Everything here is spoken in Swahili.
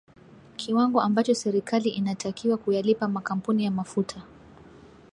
kiwango ambacho serikali inatakiwa kuyalipa makampuni ya mafuta